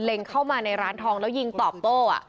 เข้ามาในร้านทองแล้วยิงตอบโต้